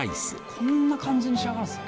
こんな感じに仕上がるんすね。